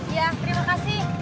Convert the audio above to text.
iya terima kasih